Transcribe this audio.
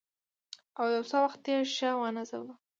او یو څه وخت یې ښه ونازاوه.